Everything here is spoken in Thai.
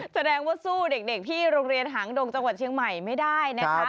แสดงว่าสู้เด็กที่โรงเรียนหางดงจังหวัดเชียงใหม่ไม่ได้นะคะ